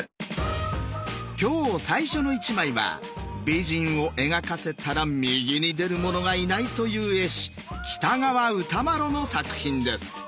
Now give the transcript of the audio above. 今日最初の１枚は美人を描かせたら右に出る者がいないという絵師喜多川歌麿の作品です。